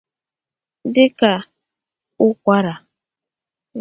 dịka ụkwara